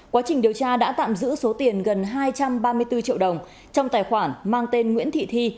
quá trình điều tra đã tạm giữ số tiền gần hai trăm ba mươi bốn triệu đồng trong tài khoản mang tên nguyễn thị thi